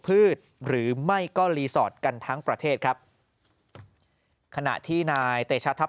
พืชหรือไม่ก็รีสอร์ทกันทั้งประเทศครับขณะที่นายเตชะทัพ